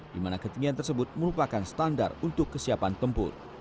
di mana ketinggian tersebut merupakan standar untuk kesiapan tempur